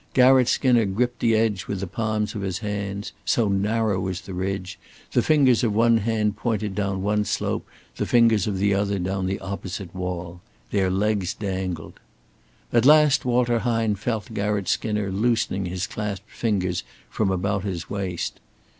Garratt Skinner gripped the edge with the palms of his hands so narrow was the ridge the fingers of one hand pointed down one slope, the fingers of the other down the opposite wall. Their legs dangled. At last Walter Hine felt Garratt Skinner loosening his clasped fingers from about his waist.